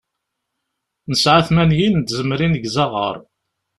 Nesɛa tmanyin n tzemrin deg uzaɣar.